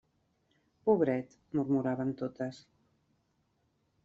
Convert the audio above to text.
Pobret! –murmuraven totes.